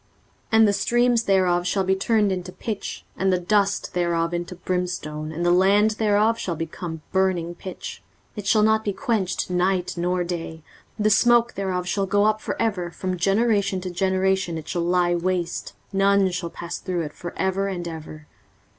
23:034:009 And the streams thereof shall be turned into pitch, and the dust thereof into brimstone, and the land thereof shall become burning pitch. 23:034:010 It shall not be quenched night nor day; the smoke thereof shall go up for ever: from generation to generation it shall lie waste; none shall pass through it for ever and ever.